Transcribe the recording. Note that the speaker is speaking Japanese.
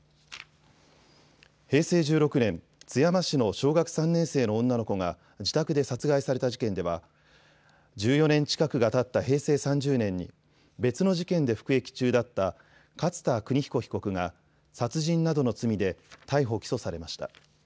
平成１６年、津山市の小学３年生の女の子が自宅で殺害された事件では１４年近くがたった平成３０年に別の事件で服役中だった勝田州彦被告が殺人などの罪で逮捕・起訴されました。